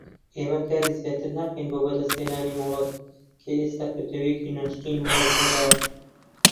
ئێمە کاری زیاتر ناکەیت بۆ بەدەستهێنانی مۆڵەت کە ئێستا کردەوەیەکی ناشرین و نەگونجاوە.